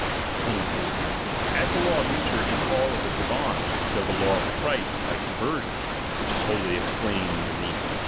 Theinwof 24. As the law of nature is all of it divine, so uwofnstuTB. the law of Christ by conversion (which is wholly explained in the v.